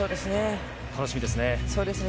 楽しみですね。